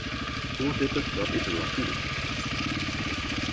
Voorzitter, dat is een lacune.